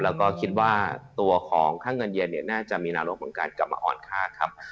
แล้วก็คิดว่าตัวของค่าเงินเย็นเนี่ยน่าจะมีแนวโน้มของการกลับมาอ่อนค่าครับ